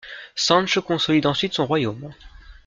Sanche consolide ensuite son royaume.